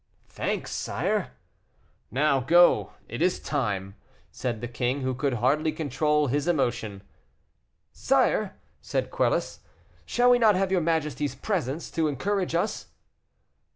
"Thanks, sire." "Now go, it is time," said the king, who could hardly control his emotion. "Sire," said Quelus, "shall we not have your majesty's presence to encourage us?"